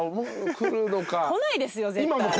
来ないですよ絶対。